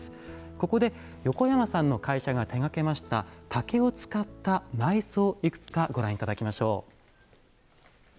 ここで横山さんの会社が手がけました竹を使った内装いくつかご覧頂きましょう。